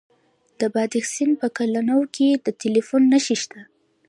د بادغیس په قلعه نو کې د تیلو نښې شته.